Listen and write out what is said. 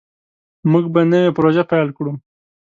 موږ به نوې پروژه پیل کړو.